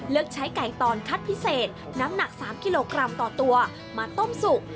ใช้ไก่ตอนคัดพิเศษน้ำหนัก๓กิโลกรัมต่อตัวมาต้มสุก